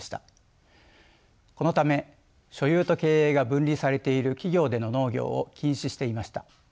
このため所有と経営が分離されている企業での農業を禁止していました。